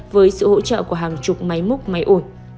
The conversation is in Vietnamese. với sự hỗ trợ của hàng chục máy múc máy ôi